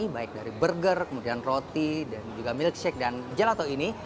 baik dari burger kemudian roti dan juga milkshake dan gelato ini